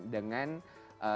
dengan sentuhan yang berbeda